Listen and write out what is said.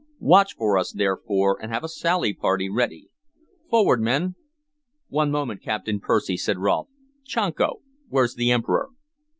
Watch for us, therefore, and have a sally party ready. Forward, men!" "One moment, Captain Percy," said Rolfe. "Chanco, where's the Emperor?"